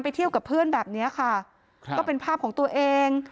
เที่ยวกับเพื่อนแบบเนี้ยค่ะครับก็เป็นภาพของตัวเอง